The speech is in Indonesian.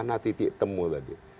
di mana titik temu tadi